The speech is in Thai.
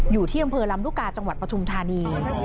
อยู่ที่อำเภอลำลูกกาจังหวัดปฐุมธานี